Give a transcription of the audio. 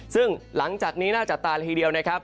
ซึ่งหลังจากนี้หน้าจัดตาเลยทีเดียว